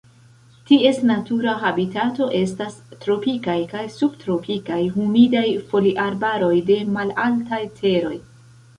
Ties natura habitato estas Tropikaj kaj subtropikaj humidaj foliarbaroj de malaltaj teroj.